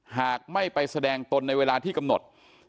หากไม่ไปแสดงตนในเวลาที่กำหนด